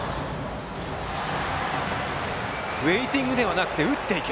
ウエイティングではなく打っていけ。